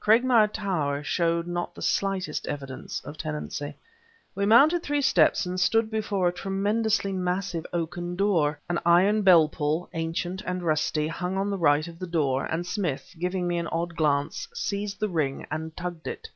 Cragmire Tower showed not the slightest evidence of tenancy. We mounted three steps and stood before a tremendously massive oaken door. An iron bell pull, ancient and rusty, hung on the right of the door, and Smith, giving me an odd glance, seized the ring and tugged it.